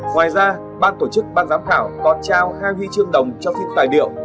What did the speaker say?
ngoài ra ban tổ chức ban giám khảo còn trao hai huy chương đồng cho phim tài liệu